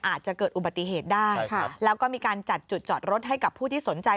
อาจจะเกิดอุบัติเหตุได้ค่ะแล้วก็มีการจัดจุดจอดรถให้กับผู้ที่สนใจ